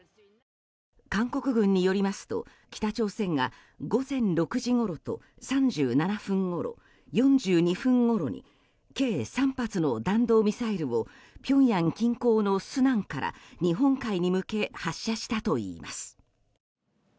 韓国軍によりますと北朝鮮が午前６時ごろと３７分ごろ、４２分ごろに計３発の弾道ミサイルをピョンヤン近郊のスナンから日本海に向け発射したといいます。